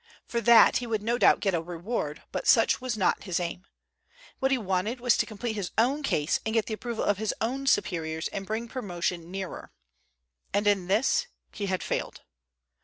For that he would no doubt get a reward, but such was not his aim. What he wanted was to complete his own case and get the approval of his own superiors and bring promotion nearer. And in this he had failed.